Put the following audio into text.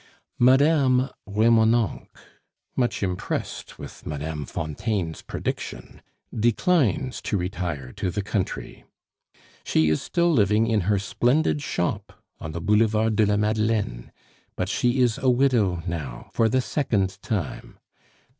Mme. Remonencq, much impressed with Mme. Fontaine's prediction, declines to retire to the country. She is still living in her splendid shop on the Boulevard de la Madeleine, but she is a widow now for the second time.